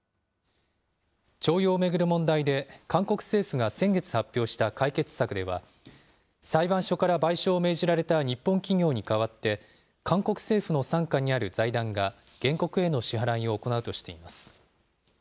徴用を巡る問題で、韓国政府が先月発表した解決策では、裁判所から賠償を命じられた日本企業に代わって、韓国政府の傘下にある財団が、原告への支払いを行うとしています。